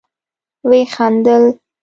ويې خندل.